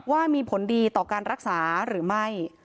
ว่ามีผลดีต่อการรักษาหรือไม่